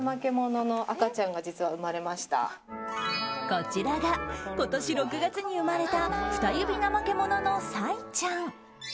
こちらが今年６月に生まれたフタユビナマケモノのサイちゃん。